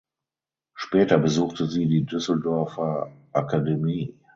Später besuchte sie die Düsseldorfer Akademie.